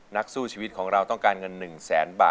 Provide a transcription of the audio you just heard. นักสู้ชีวิตของเราต้องการเงิน๑แสนบาท